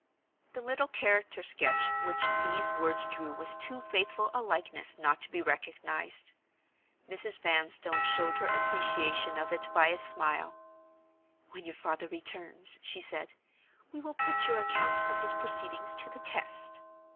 The little character sketch which these words drew was too faithful a likeness not to be recognized. Mrs. Vanstone showed her appreciation of it by a smile. "When your father returns," she said, "we will put your account of his proceedings to the test.